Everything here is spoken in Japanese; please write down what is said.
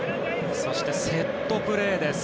そしてセットプレーです。